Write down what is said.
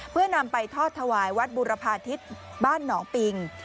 เพื่อนำไปทอดถวายวัดบุรพาทิศบ้านหนองปิง